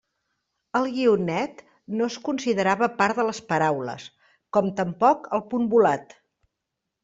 El guionet no es considerava part de les paraules, com tampoc el punt volat.